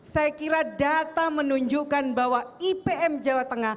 saya kira data menunjukkan bahwa ipm jawa tengah